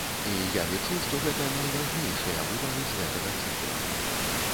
І я лічу, што гэта найважнейшыя выбары з гэтага цыкла.